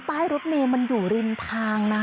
ป้ายรถเมย์มันอยู่ริมทางนะ